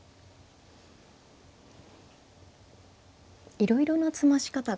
いろいろな詰まし方が。